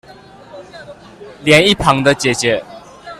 連一旁的姊姊